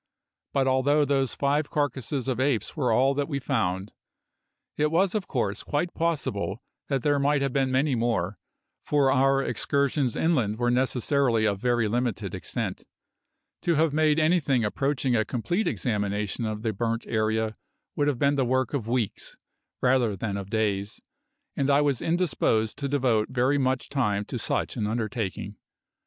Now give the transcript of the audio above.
But although those five carcasses of apes were all that we found, it was of course quite possible that there might have been many more, for our excursions inland were necessarily of very limited extent. To have made anything approaching a complete examination of the burnt area would have been the work of weeks, rather than of days, and I was indisposed to devote very much time to such an undertaking.